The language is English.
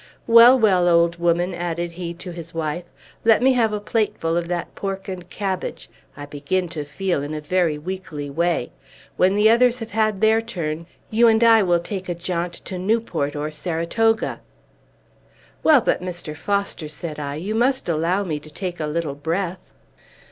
Well, well, old woman," added he to his wife, "let me have a plateful of that pork and cabbage! I begin to feel in a very weakly way. When the others have had their turn, you and I will take a jaunt to Newport or Saratoga!" "Well, but, Mr. Foster," said I, "you must allow me to take a little breath."